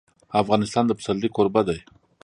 افغانستان د پسرلی کوربه دی.